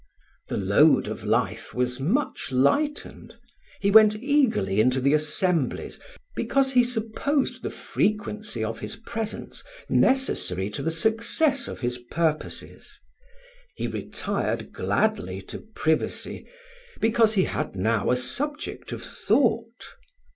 The load of life was much lightened; he went eagerly into the assemblies, because he supposed the frequency of his presence necessary to the success of his purposes; he retired gladly to privacy, because he had now a subject of thought.